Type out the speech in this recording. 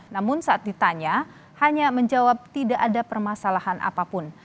namun saat ditanya hanya menjawab tidak ada permasalahan apapun